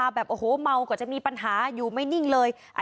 ขณะเดียวกันคุณอ้อยคนที่เป็นเมียฝรั่งคนนั้นแหละ